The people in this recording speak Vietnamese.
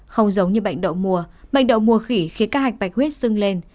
không giống như bệnh đậu mùa bệnh đậu mùa khỉ khiến các hạch bạch bạch huyết sưng lên